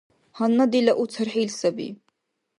Гьанна дила у цархӀил саби.